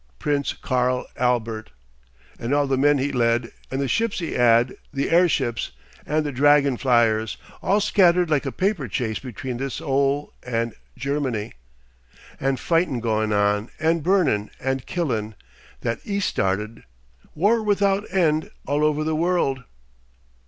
Prince Karl Albert! And all the men 'e led and the ships 'e 'ad, the airships, and the dragon fliers all scattered like a paper chase between this 'ole and Germany. And fightin' going on and burnin' and killin' that 'e started, war without end all over the world!